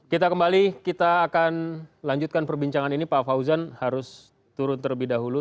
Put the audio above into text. kita kembali kita akan lanjutkan perbincangan ini pak fauzan harus turun terlebih dahulu